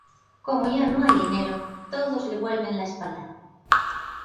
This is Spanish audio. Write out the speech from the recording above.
Como ya no hay dinero, todos le vuelven la espalda.